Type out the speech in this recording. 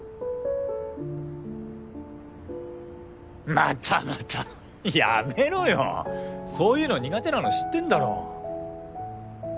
またまたやめろよそういうの苦手なの知ってんだろ？